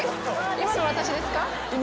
今の私ですか？